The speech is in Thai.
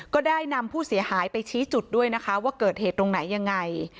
ก็ได้นำผู้เสียหายไปชี้จุดด้วยนะคะว่าเกิดเหตุตรงไหนยังไง